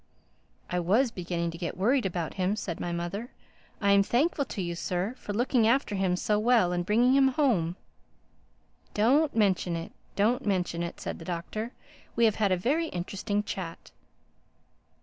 "I was beginning to get worried about him," said my mother. "I am thankful to you, Sir, for looking after him so well and bringing him home." "Don't mention it—don't mention it," said the Doctor. "We have had a very interesting chat."